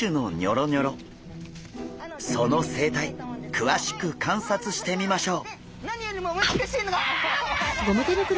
その生態くわしく観察してみましょう！